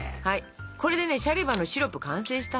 これでねシャリバのシロップ完成したの。